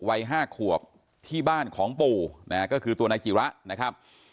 วัย๕ขวบที่บ้านของปู่นะฮะก็คือตัวนายจิระนะครับ